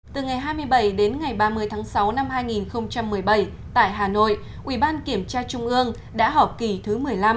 từ ngày hai mươi bảy đến ngày ba mươi tháng sáu năm hai nghìn một mươi bảy tại hà nội ủy ban kiểm tra trung ương đã họp kỳ thứ một mươi năm